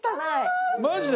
マジで？